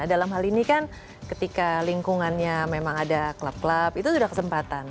dalam hal ini kan ketika lingkungannya memang ada klub klub itu sudah kesempatan